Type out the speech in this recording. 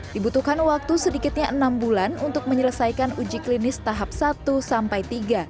dibutuhkan waktu sedikitnya enam bulan untuk menyelesaikan uji klinis tahap satu sampai tiga